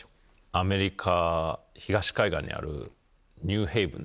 アメリカ東海岸にあるニューヘイブン。